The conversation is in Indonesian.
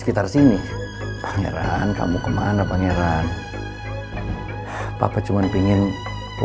kayaknya kepala motor lot kelvin tuh